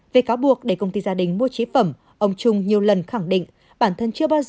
về cáo buộc để công ty gia đình mua chế phẩm ông trung nhiều lần khẳng định